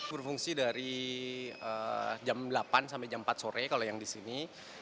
berfungsi dari jam delapan sampai jam empat sore kalau yang di sini